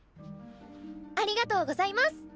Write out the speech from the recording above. ありがとうございます！